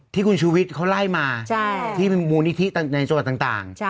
ที่คุณชุวิตเขาไล่มาที่มีมูลนิธิในส่วนต่าง